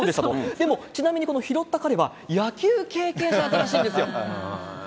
でも、ちなみに、この拾った彼は野球経験者だったらしいんですよ。